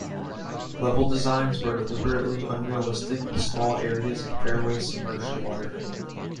Level designs were deliberately unrealistic, with small areas of fairway submerged in water.